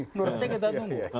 menurut saya kita tunggu